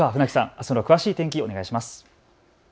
あすの詳しい天気をお願いします。